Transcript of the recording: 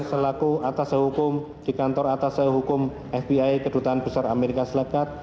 selaku atas sehukum di kantor atas sehukum fbi kedutaan besar amerika selangkat